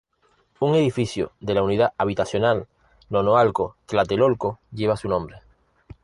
Un edificio de la Unidad Habitacional Nonoalco-Tlatelolco lleva su nombre.